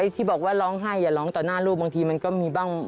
ที่บอกว่าร้องไห้อย่าร้องต่อหน้าลูกบางทีมันก็มีบ้าง